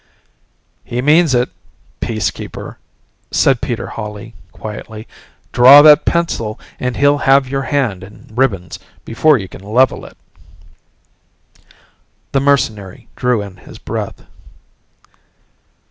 "He means it Peacekeeper," said Peter Hawley quietly. "Draw that pencil and he'll have your hand in ribbons before you can level it." The mercenary drew in his breath.